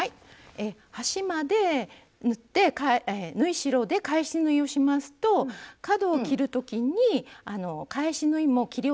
端まで縫って縫い代で返し縫いをしますと角を切る時に返し縫いも切り落とす可能性があるんですね。